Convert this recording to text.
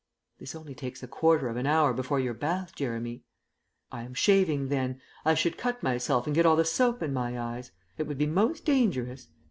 "This only takes a quarter of an hour before your bath, Jeremy." "I am shaving then; I should cut myself and get all the soap in my eyes. It would be most dangerous.